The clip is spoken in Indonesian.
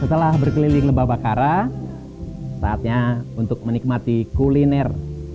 setelah berkeliling lembah bakara saatnya untuk menikmati kuliner